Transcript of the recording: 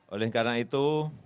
oleh karena itu